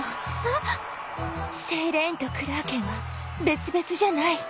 セイレーンとクラーケンは別々じゃない。